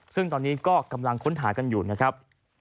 ซึ่งตอนนี้ก็กำลังค้นหากันอยู่นะครับ